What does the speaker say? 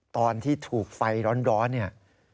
ตอนที่ถูกไฟร้อนเนี่ย